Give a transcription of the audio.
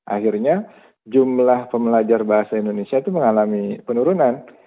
akhirnya jumlah pembelajar bahasa indonesia itu mengalami penurunan